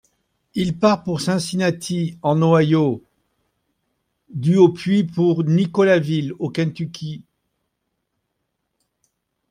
Il part pour Cincinnati, en Ohio du au puis pour Nicholasville, au Kentucky.